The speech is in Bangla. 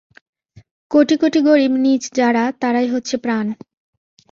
কোটি কোটি গরীব নীচ যারা, তারাই হচ্ছে প্রাণ।